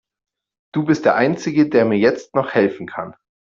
Du bist der einzige, der mir jetzt noch helfen kann.